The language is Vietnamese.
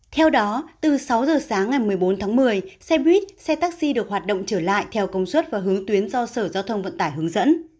theo đó từ sáu giờ sáng ngày một mươi bốn tháng một mươi xe buýt xe taxi được hoạt động trở lại theo công suất và hướng tuyến do sở giao thông vận tải hướng dẫn